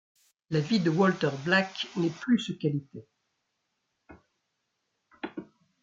La vie de Walter Black n'est plus ce qu'elle était.